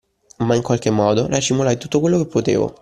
Ma, in qualche modo, racimolai tutto quello che potevo.